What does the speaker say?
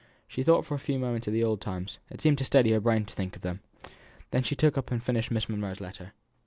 She thought for a few moments of the old times; it seemed to steady her brain to think of them. Then she took up and finished Miss Monro's letter.